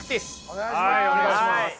お願いします。